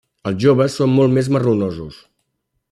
Els joves són molt més marronosos.